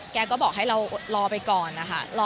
แกก็บอกให้เรารอไปก่อนนะคะ